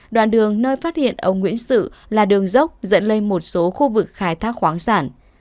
đoạn đường nơi phát hiện ông nguyễn sự là đường dốc dẫn lên một số khu vực khai thác khoáng sản